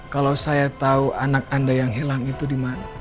kalau saya tau anak anda yang hilang itu dimana